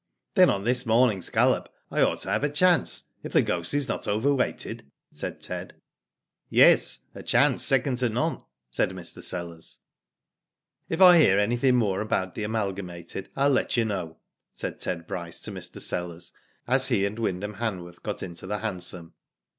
"Then on this morning's gallop I ought to have a chance, if The Ghost is not overweighted ?" said Ted. "Yes, a chance second to none," said Mr. Sellers. "If I hear anything more about the Amalga mated, I'll let you know," said Ted Bryce to Mr. Sellers, as he and Wyndham Hanworth got into the hansom.